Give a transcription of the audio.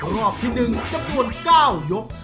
รอบที่๑จำนวน๙ยก